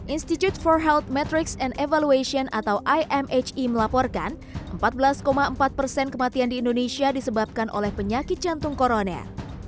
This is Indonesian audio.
institute for health metrics and evaluation atau imh melaporkan empat belas empat persen kematian di indonesia disebabkan oleh penyakit jantung koroner